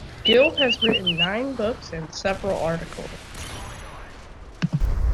Gilb has written nine books and several articles.